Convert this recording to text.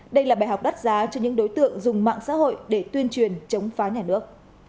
đây là bài học đắt giá cho những đối tượng dùng mạng xã hội để tuyên truyền chống phá nhà nước